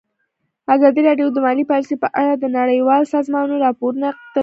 ازادي راډیو د مالي پالیسي په اړه د نړیوالو سازمانونو راپورونه اقتباس کړي.